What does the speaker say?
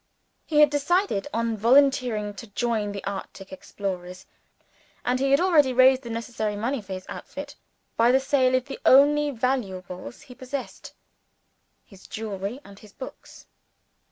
He had decided on volunteering to join the Arctic explorers and he had already raised the necessary money for his outfit by the sale of the only valuables he possessed his jewelry and his books.